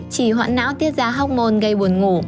chỉ hoãn não tiết ra hóc môn gây buồn ngủ